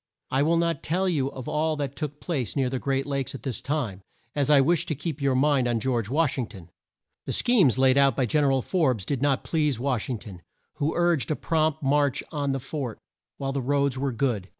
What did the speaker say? I will not tell you of all that took place near the great Lakes at this time, as I wish to keep your mind on George Wash ing ton. The schemes laid out by Gen er al Forbes did not please Wash ing ton, who urged a prompt march on the fort, while the roads were good.